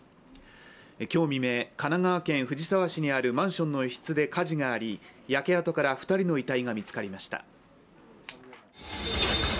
今日未明、神奈川県藤沢市にあるマンションの一室で火事があり、焼け跡から２人の遺体が見つかりました。